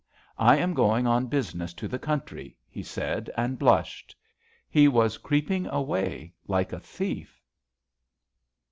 " I am going on business to the country,' 7 he said, and blushed. He creeping away like a thief.